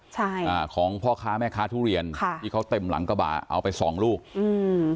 ใช่อ่าของพ่อค้าแม่ค้าทุเรียนค่ะที่เขาเต็มหลังกระบะเอาไปสองลูกอืม